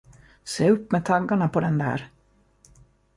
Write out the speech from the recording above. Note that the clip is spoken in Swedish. Se upp med taggarna på den där!